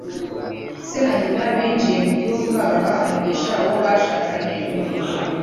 Se na nyina binjiye mucyumba baha umugisha uwo bashakanye umugisha.